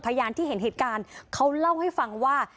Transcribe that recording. พยานที่เห็นเหตุการณ์เขาเล่าให้ฟังว่า